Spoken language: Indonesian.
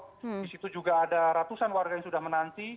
di situ juga ada ratusan warga yang sudah menanti